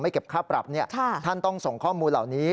เก็บค่าปรับท่านต้องส่งข้อมูลเหล่านี้